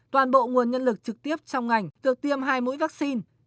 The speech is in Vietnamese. toàn bộ nguồn nhân lực trực tiếp trong ngành được tiêm hai mũi vaccine